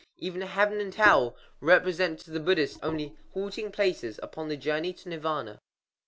Even Heaven and Hell represent to the Buddhist only halting places upon the journey to Nirvâna.